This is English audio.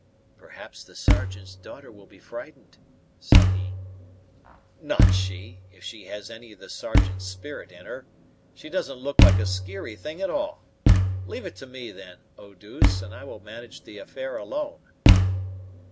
"Perhaps the Sergeant's daughter will be frightened," said he. "Not she, if she has any of the Sergeant's spirit in her. She doesn't look like a skeary thing, at all. Leave it to me, then, Eau douce, and I will manage the affair alone."